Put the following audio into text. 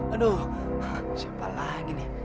aduh siapa lagi nih